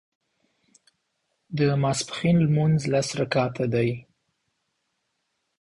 د ماسپښين لمونځ لس رکعته دی